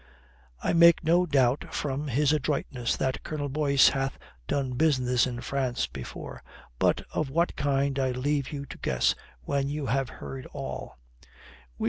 I make no doubt from his adroitness that Colonel Boyce hath done business in France before, but of what kind I leave you to guess when you have heard all.